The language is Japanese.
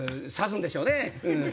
挿すんでしょうね。